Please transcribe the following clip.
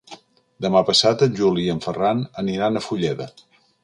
Demà passat en Juli i en Ferran aniran a Fulleda.